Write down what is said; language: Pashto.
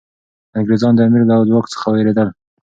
انګریزان د امیر له ځواک څخه ویرېدل.